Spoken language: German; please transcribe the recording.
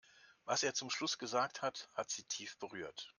Was er zum Schluss gesagt hat, hat sie tief berührt.